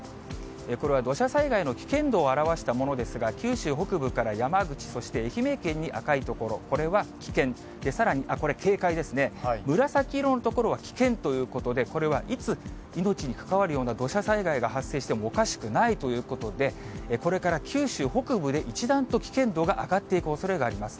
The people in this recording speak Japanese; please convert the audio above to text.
これは土砂災害の危険度を表したものですが、九州北部から山口、そして愛媛県に赤い所、これは危険、さらに、これ、警戒ですね、紫色の所は危険ということで、これはいつ命に関わるような土砂災害が発生してもおかしくないということで、これから九州北部で一段と危険度が上がっていくおそれがあります。